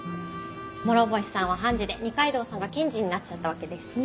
諸星さんは判事で二階堂さんは検事になっちゃったわけですしね。